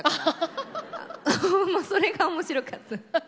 それが面白かった。